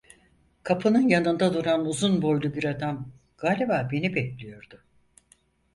Kapının yanında duran uzun boylu bir adam, galiba beni bekliyordu.